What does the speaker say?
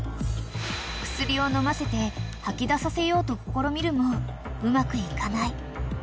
［薬を飲ませて吐き出させようと試みるもうまくいかない］